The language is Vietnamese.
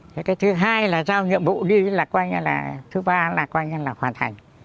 bộ đi là qua như là thứ ba là qua như là hoàn thành